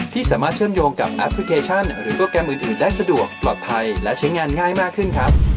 ที่สามารถเชื่อมโยงกับแอปพลิเคชันหรือโปรแกรมอื่นได้สะดวกปลอดภัยและใช้งานง่ายมากขึ้นครับ